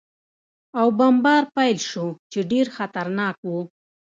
او بمبار پېل شو، چې ډېر خطرناک و.